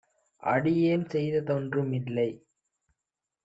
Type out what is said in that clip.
அடியேன்செய்த தொன்றுமில்லை.